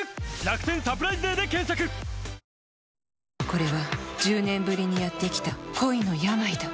これは１０年ぶりにやってきた恋の病だ。